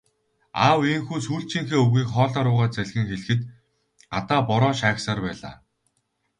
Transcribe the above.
Аав ийнхүү сүүлчийнхээ үгийг хоолой руугаа залгин хэлэхэд гадаа бороо шаагьсаар байлаа.